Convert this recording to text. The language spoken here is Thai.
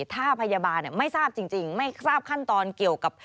ถ้าพยาบาลไม่ทราบจริงไม่ทราบขั้นตอนเกี่ยวกับ